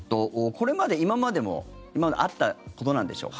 これまで、今までもあったことなんでしょうか。